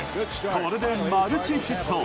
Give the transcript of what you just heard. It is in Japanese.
これでマルチヒット。